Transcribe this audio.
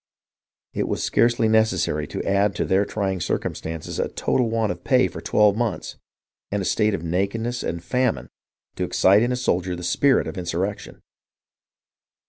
It was scarcely necessary to add to their trying circum stances a total want of pay for twelve months and a state of nakedness and famine, to excite in a soldier the spirit of insurrection.